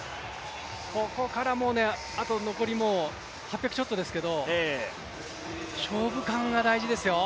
ここからもあと残りもう８００ちょっとですけど勝負勘が大事ですよ。